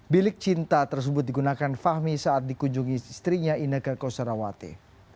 bilik cinta tersebut digunakan fahmi saat dikunjungi istrinya ineke kosarawati